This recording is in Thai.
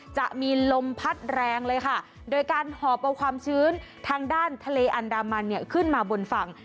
จะมีลมพัดแรงเลยค่ะโดยการหอบเอาความชื้นทางด้านทะเลอันดามันเนี่ยขึ้นมาบนฝั่ง